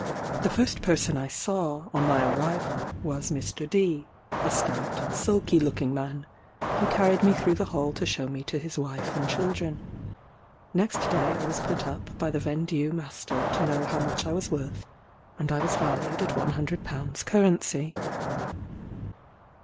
The first person I saw, on my arrival, was Mr. D , a stout sulky looking man, who carried me through the hall to show me to his wife and children. Next day I was put up by the vendue master to know how much I was worth, and I was valued at one hundred pounds currency.